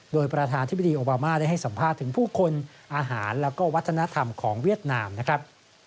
โดยประธานธิบดีโอบามาได้ให้สัมภาษณ์ถึงผู้คนอาหารแล้วก็วัฒนธรรมของเวียดนามนะครับ